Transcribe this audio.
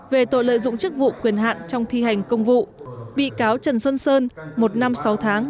về tội lợi dụng chức vụ quyền hạn trong thi hành công vụ bị cáo trần xuân sơn một năm sáu tháng